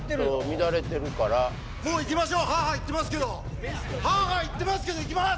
乱れてるからいきましょうハアハア言ってますけどハアハア言ってますけどいきます！